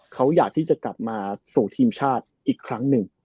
เขาอยากที่จะกลับมาสู่ทีมชาติอีกครั้งหนึ่ง